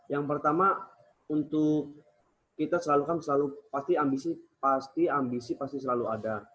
yang pertama untuk kita selalu kan pasti ambisi pasti selalu ada